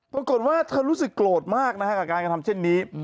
ปรากฏว่าเธอรู้สึกโกรธมากนะฮะกับการกระทำเช่นนี้